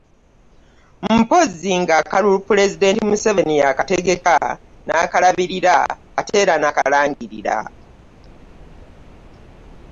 Mpozzi nga akalulu Pulezidenti Museveni yakategeka n'akalabirira ate era n'akalangirira.